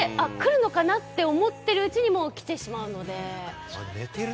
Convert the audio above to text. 音が鳴って、来るのかな？って思ってるうちにすぐ来てしまうので。